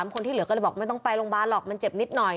คนที่เหลือก็เลยบอกไม่ต้องไปโรงพยาบาลหรอกมันเจ็บนิดหน่อย